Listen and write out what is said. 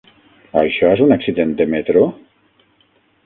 Això és un accident de metro?